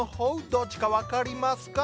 どっちか分かりマスカ？